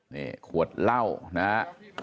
นี่ขวดเหล้านะฮะ